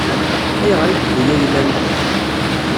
Ayɣer i yewwi ayla-m?